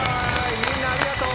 みんなありがとう。